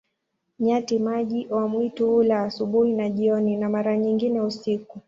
Nyati-maji wa mwitu hula asubuhi na jioni, na mara nyingine usiku.